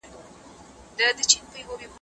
آدم عليه السلام د ټولو علم درلود.